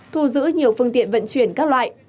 thu giữ nhiều phương tiện vận chuyển các loại